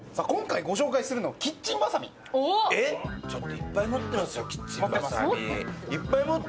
いっぱい持ってますよ、キッチンばさみ。